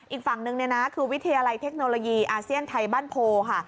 อีกฝั่งนึงเนี่ยนะคือวิทยาลัยเทคโนโลยีอาเซียนไทยบ้านโพค่ะ